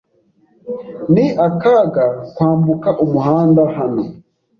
Ni akaga kwambuka umuhanda hano.